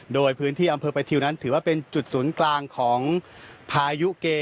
โดยพื้นที่อำเภอประทิวนั้นถือว่าเป็นจุดศูนย์กลางของพายุเก